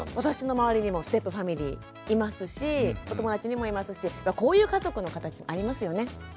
私の周りにもステップファミリーいますしお友達にもいますしこういう家族の形ありますよね。